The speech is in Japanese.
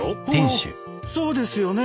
ハッそうですよね。